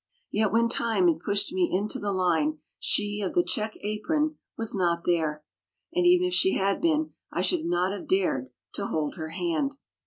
Yet when time had pushed me into the line, she of the check apron was not there, and even if she had been I should not have dared to hold her hand.